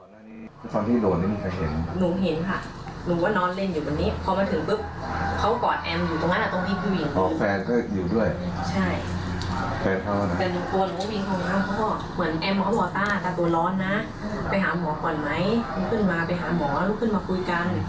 ลุกขึ้นมาไปหาหมอลุกขึ้นมาคุยกัน